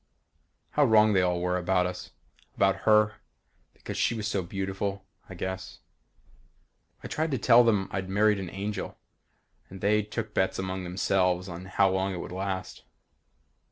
How wrong they all were about us. About her. Because she was so beautiful, I guess. I tried to tell them I'd married an angel and they took bets among themselves on how long it would last.